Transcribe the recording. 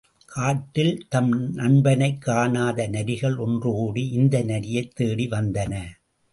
காட்டில் தம் நண்பனைக் காணாத நரிகள் ஒன்றுகூடி இந்த நரியைத் தேடி வந்தன.